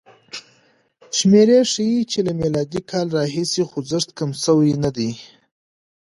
شمېرې ښيي چې له م کال راهیسې خوځښت کم شوی نه دی.